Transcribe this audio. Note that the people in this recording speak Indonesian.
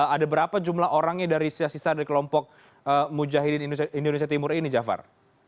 ada berapa jumlah orangnya dari sisa sisa dari kelompok mujahidin indonesia timur ini jafar